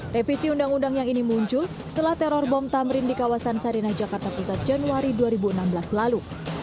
revisi undang undang yang ini muncul setelah teror bom tamrin di kawasan sarinah jakarta pusat januari dua ribu enam belas lalu